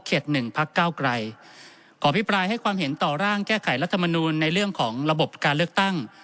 หนึ่งพักเก้าไกรขออภิปรายให้ความเห็นต่อร่างแก้ไขรัฐมนูลในเรื่องของระบบการเลือกตั้ง